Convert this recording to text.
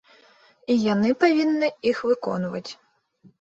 І яны павінны іх выконваць.